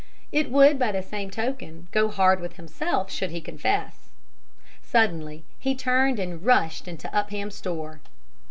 It would, by the same token, go hard with himself should he confess. Suddenly he turned and rushed into Upham's store.